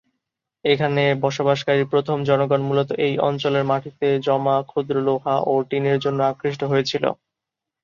এখানে বসবাসকারী প্রথম জনগণ মূলত এই অঞ্চলের মাটিতে জমা ক্ষুদ্র লোহা ও টিনের জন্য আকৃষ্ট হয়েছিল।